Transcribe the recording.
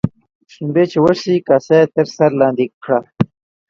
شلومبې چې وچښې ، کاسه يې تر سر لاندي کړه.